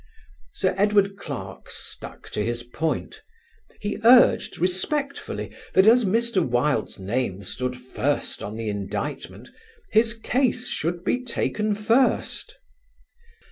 Sir Edward Clarke stuck to his point. He urged respectfully that as Mr. Wilde's name stood first on the indictment his case should be taken first.